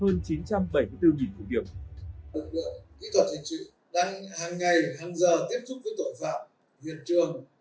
lực lượng kỹ thuật hình sự đang hàng ngày hàng giờ tiếp xúc với tội phạm hiện trường